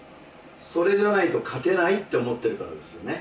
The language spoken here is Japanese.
それじゃないと勝てないって思ってるからですよね。